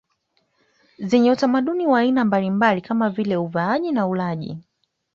zenye utamaduni wa aina mbalimbali kama vile uvaaji na ulaji